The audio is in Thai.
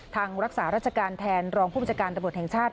ทางรักษาราชการแทนรองผู้บัญชาการตำรวจแห่งชาติ